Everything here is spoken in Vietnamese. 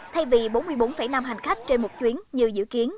thay vì bốn mươi bốn năm hành khách trên một chuyến như dự kiến